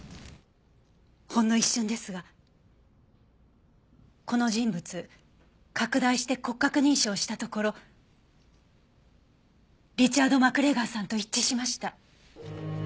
ほんの一瞬ですがこの人物拡大して骨格認証したところリチャード・マクレガーさんと一致しました。